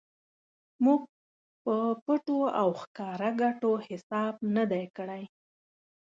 موږ په پټو او ښکاره ګټو حساب نه دی کړی.